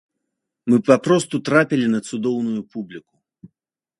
Мы папросту трапілі на цудоўную публіку.